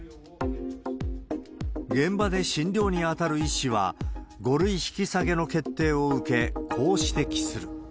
現場で診療に当たる医師は、５類引き下げの決定を受け、こう指摘する。